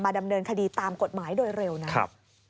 ดำเนินคดีตามกฎหมายโดยเร็วนะครับ